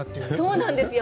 そうなんですよ